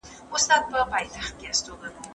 آیا پخپله زده کړه د هر عمر لپاره مناسبه ده؟